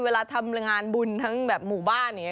เวลาทำงานบุญทั้งแบบหมู่บ้านอย่างนี้